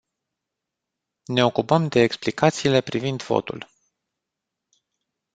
Ne ocupăm de explicațiile privind votul.